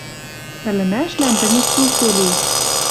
Ӹлӹмӓшлӓн тӹньӹ сусу ли.